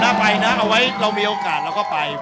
ถ้าไปนะเอาไว้เรามีโอกาสเราก็ไป